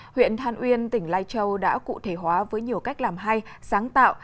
huyện than uyên tỉnh lai châu đã cụ thể hóa với nhiều cách làm hay sáng tạo